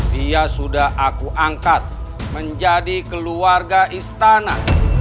dia sudah aku angkat menjadi keluarga istana